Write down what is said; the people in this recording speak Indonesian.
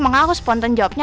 makanya aku spontan jawabnya